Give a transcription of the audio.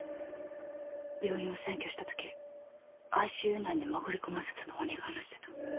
「病院を占拠した時ＩＣＵ内に潜り込ませた」と鬼が話してた。